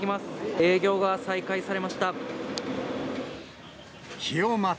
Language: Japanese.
営業が再開されました。